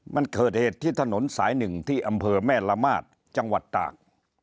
มันเกิดเหตุที่ถนนสาย๑ที่อำเภอแม่ละมาดจังหวัดตาก